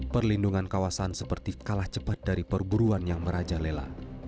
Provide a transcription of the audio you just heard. perlindungan kawasan seperti kalah cepat dari perburuan yang merajalela